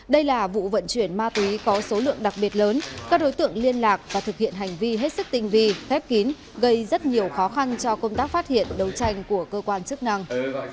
đây là vụ vận chuyển ma túy có số lượng đặc biệt lớn các đối tượng liên lạc và thực hiện hành vi hết sức tinh vi phép kín gây rất nhiều khó khăn cho công tác phát hiện đấu tranh của cơ quan chức năng